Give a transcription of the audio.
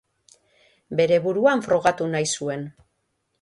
Bere buruan frogatu nahi zuen.